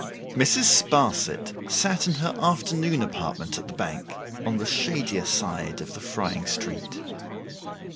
Mrs. Sparsit sat in her afternoon apartment at the Bank, on the shadier side of the frying street.